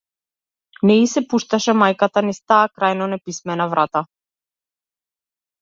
Не и се пушташе мајката низ таа крајно неписмена врата.